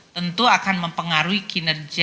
tentu akan mempengaruhi kinerja